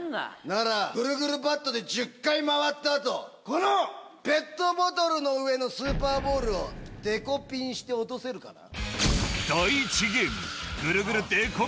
ならぐるぐるバットで１０回回った後このペットボトルの上のスーパーボールをデコピンして落とせるかな？